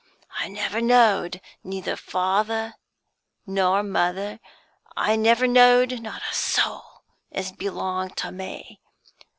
I never knowed neither father nor mother; I never knowed not a soul as belonged to me.